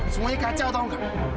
semuanya kacau tahu nggak